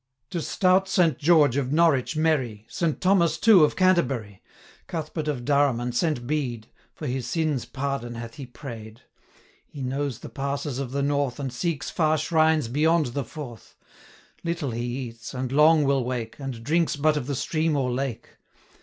'To stout Saint George of Norwich merry, Saint Thomas, too, of Canterbury, Cuthbert of Durham and Saint Bede, 410 For his sins' pardon hath he pray'd. He knows the passes of the North, And seeks far shrines beyond the Forth; Little he eats, and long will wake, And drinks but of the stream or lake.